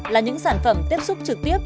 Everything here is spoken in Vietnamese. là những sản phẩm tiếp xúc trực tiếp